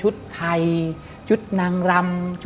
ดิงกระพวน